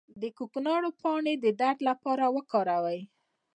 د کوکنارو پاڼې د درد لپاره وکاروئ